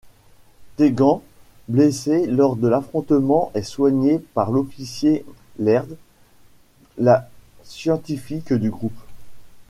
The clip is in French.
Tegan blessée lors de l'affrontement est soignée par l'officier Laird, la scientifique du groupe.